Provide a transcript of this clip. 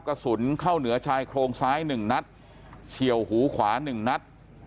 กระสุนเข้าเหนือชายโครงซ้าย๑นัดเฉียวหูขวา๑นัด